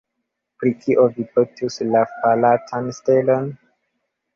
Pri kio vi petus la falantan stelon?